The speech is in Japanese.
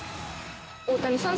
大谷さん